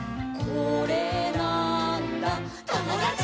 「これなーんだ『ともだち！』」